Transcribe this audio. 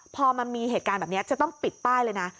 พอมันมีเหตุการณ์แบบนี้จะต้องปิดป้ายเลยนะ